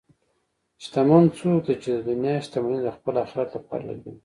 شتمن څوک دی چې د دنیا شتمني د خپل آخرت لپاره لګوي.